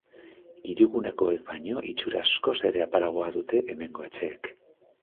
Hirigunekoek baino itxura askoz ere apalagoa dute hemengo etxeek.